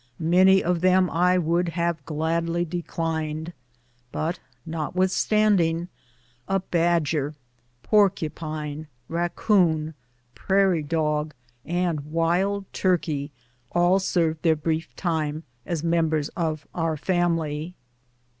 Many of them I would have gladly declined, but notwithstanding a badger, porcupine, raccoon, prairie dog, and wild turkej^, all served their brief time as members of our family.